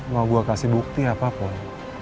mau gue kasih bukti apapun